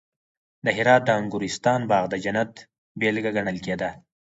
د هرات د انګورستان باغ د جنت بېلګه ګڼل کېده